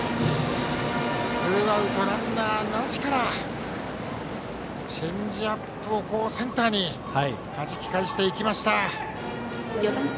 ツーアウトランナーなしからチェンジアップをセンターにはじき返していきました。